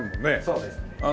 そうですね。